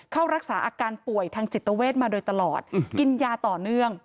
เข้ารักษาอาการป่วยทางจิตเวทมาโดยตลอดกินยาต่อเนื่อง